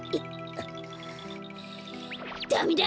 ダメだ！